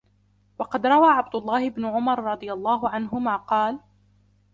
وَقَدْ رَوَى عَبْدُ اللَّهِ بْنُ عُمَرَ رَضِيَ اللَّهُ عَنْهُمَا قَالَ